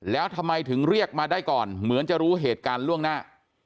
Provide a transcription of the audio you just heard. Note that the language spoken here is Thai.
แล้วทำไมถึงเรียกมาได้ก่อนเหมือนจะรู้เหตุการณ์ล่วงหน้า